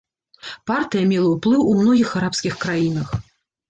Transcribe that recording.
Партыя мела ўплыў у многіх арабскіх краінах.